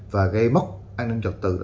và gây mất an ninh trọt tự